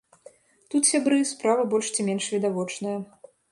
Тут, сябры, справа больш ці менш відавочная.